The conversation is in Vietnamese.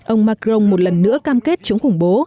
ông macron một lần nữa cam kết chống khủng bố